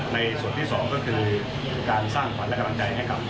ในส่วนที่สองก็คือการสร้างขวัญและกำลังใจให้กับ